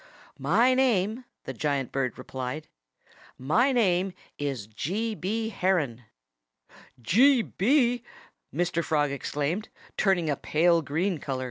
"My name " the giant bird replied "my name is G. B. Heron." "'G. B.'!" Mr. Frog exclaimed, turning a pale green color.